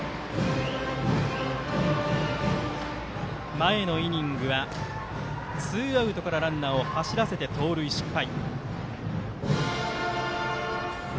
前のイニングはツーアウトからランナーを走らせて盗塁失敗。